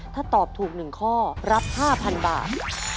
ถ้าตอบถูก๑ข้อรับ๕๐๐๐บาท